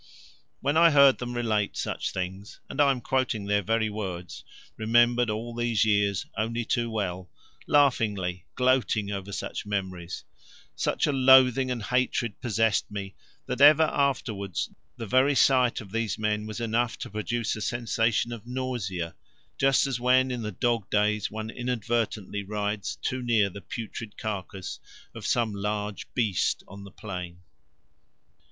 When I heard them relate such things and I am quoting their very words, remembered all these years only too well laughingly, gloating over such memories, such a loathing and hatred possessed me that ever afterwards the very sight of these men was enough to produce a sensation of nausea, just as when in the dog days one inadvertently rides too near the putrid carcass of some large beast on the plain.